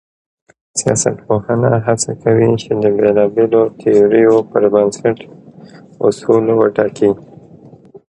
سیاستپوهنه هڅه کوي چي د بېلابېلو تیوریو پر بنسټ اصول وټاکي.